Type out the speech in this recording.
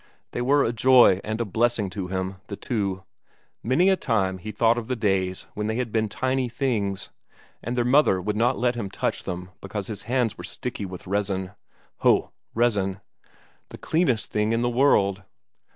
They were a joy and a blessing to him, the two; many a time he thought of the days when they had been tiny things, and their mother would not let him touch them because his hands were sticky with resin. Ho, resin, the cleanest thing in the world!